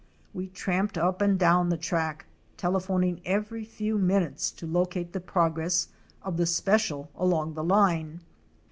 We tramped up and down the track, telephoning every few minutes to locate the progress of the special along the line.